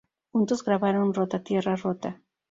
Juntos grabaron "Rota tierra rota".